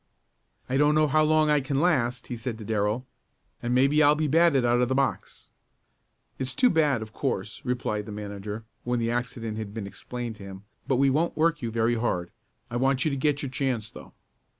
"I don't know how long I can last," he said to Darrell, "and maybe I'll be batted out of the box." "It's too bad, of course," replied the manager, when the accident had been explained to him, "but we won't work you very hard. I want you to get your chance, though."